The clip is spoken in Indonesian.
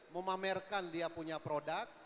memamerkan dia punya produk